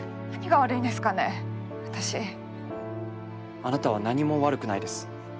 あなたは何も悪くないです。